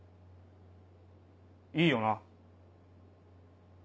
いいよな？